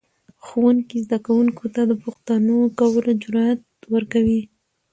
ښوونکی زده کوونکو ته د پوښتنو کولو جرأت ورکوي